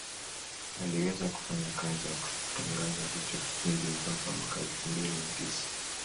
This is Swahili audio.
Aliweza kufanya kazi ya kukitangaza hicho kipindi mpaka mwaka elfu mbili na tisa